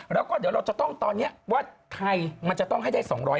เราก็เดี๋ยวตอนนี้วัดไทยจะต้องให้๒๕๐